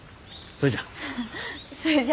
それじゃ。